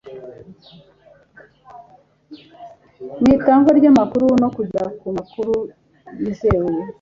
n itangwa ry amakuru no kugera ku makuru yizewe